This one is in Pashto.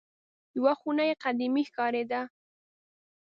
یوه خونه یې قدیمه ښکارېدله.